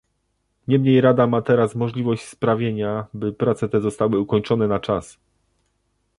Niemniej Rada ma teraz możliwość sprawienia, by prace te zostały ukończone na czas